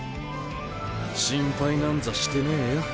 心配なんざしてねえよ。